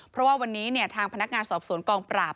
เพราะว่าวันนี้ทางพนักงานสอบสวนกองปราบ